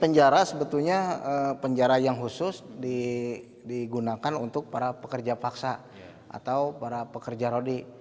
penjara sebetulnya penjara yang khusus digunakan untuk para pekerja paksa atau para pekerja rodi